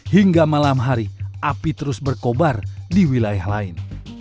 hingga malam hari api terus berkobar di wilayah lain